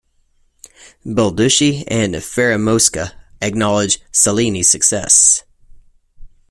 Balducci and Fieramosca acknowledge Cellini's success.